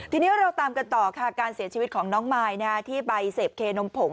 ทีนี้เราตามกันต่อค่ะการเสียชีวิตของน้องมายที่ไปเสพเคนมผง